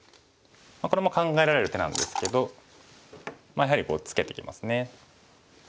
これも考えられる手なんですけどやはりツケてきますね。